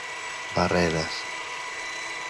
Barreras.